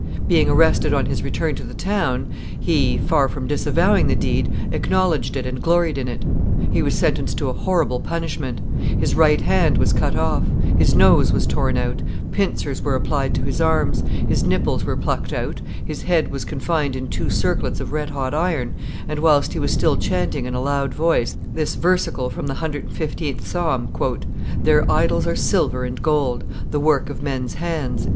Being arrested on his return to the town, he, far from disavowing the deed, acknowledged it and gloried in it. He was sentenced to a horrible punishment; his right hand was cut off, his nose was torn out, pincers were applied to his arms, his nipples were plucked out, his head was confined in two circlets of red hot iron, and, whilst he was still chanting, in a loud voice, this versicle from the cxvth Psalm, "Their idols are silver and gold, The work of men's hands."